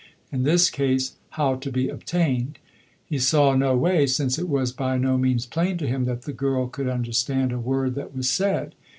In this case, how to be obtained? He saw no way, since it was by no means plain to him that the girl could understand a word that was said.